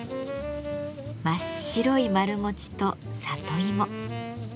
真っ白い丸餅と里芋。